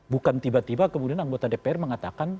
bukan tiba tiba kemudian anggota dpr mengatakan